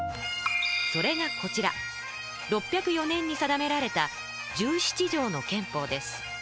それがこちら６０４年に定められた「十七条の憲法」です。